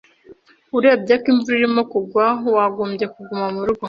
Urebye ko imvura irimo kugwa, wagombye kuguma murugo.